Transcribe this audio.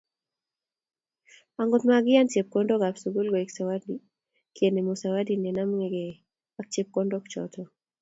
Angot makiyan chepkondok ab sukul koek sawati, kenamu sawati neyemekei ak chepkondok choto